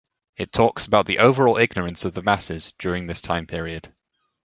It talks about the overall ignorance of the masses during this time period.